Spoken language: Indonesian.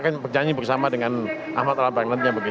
akan berjanji bersama dengan ahmad al abbang nantinya begitu